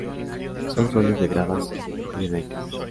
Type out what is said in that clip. Son suelos de gravas pirenaicas.